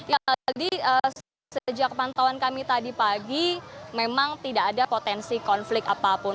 ya aldi sejak pantauan kami tadi pagi memang tidak ada potensi konflik apapun